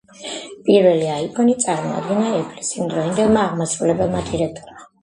პირველი iPhone წარმოადგინა Apple-ის იმდროინდელმა აღმასრულებელმა დირექტორმა